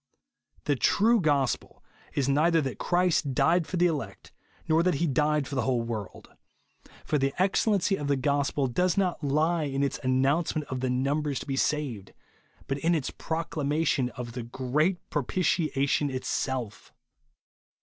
The true gospel is neither that Christ died for the elect, nor tliat he dit d for the whole world ; for the 190 JESUS ONLY. excellency of the gospel does not lie in it3 announcement of the numbers to be saved, but in its proclamation of the great pro pitiation itself.